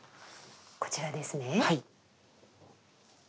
こちらですね。